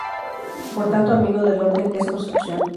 Por tanto amigo del orden que es construcción.